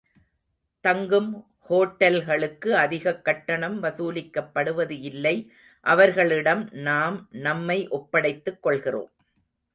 தங்கும் ஹோட்டல்களுக்கு அதிகக் கட்டணம் வசூலிக்கப்படுவது இல்லை, அவர்களிடம் நாம் நம்மை ஒப்படைத்துக் கொள்கிறோம்.